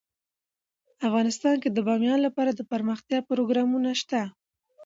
افغانستان کې د بامیان لپاره دپرمختیا پروګرامونه شته.